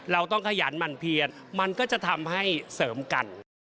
เราต้องขยันหมั่นเพียนมันก็จะทำให้เสริมกัน